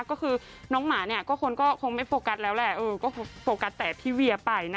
ก็คือน้องหมาเนี่ยก็คนก็คงไม่โฟกัสแล้วแหละก็โฟกัสแต่พี่เวียไปนะคะ